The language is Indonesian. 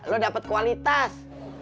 lu dapet kualitas